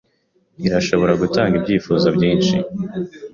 Irashobora gutanga ibyifuzo byinshi